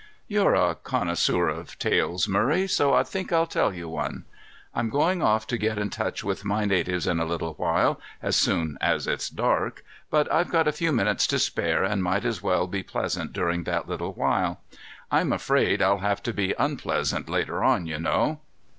"You're a connoisseur of tales, Murray, so I think I'll tell you one. I'm going off to get in touch with my natives in a little while, as soon as it's dark, but I've a few minutes to spare and might as well be pleasant during that little while. I'm afraid I'll have to be unpleasant later on, you know."